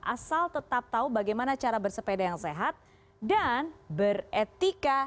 asal tetap tahu bagaimana cara bersepeda yang sehat dan beretika